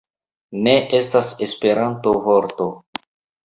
Ne estas Esperanto-vorto